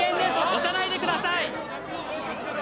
押さないでください！